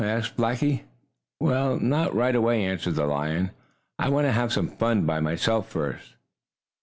asked Blackie. "Well, not right away," answered the lion. "I want to have some fun by myself first."